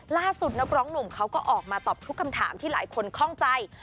นักร้องหนุ่มเขาก็ออกมาตอบทุกคำถามที่หลายคนคล่องใจ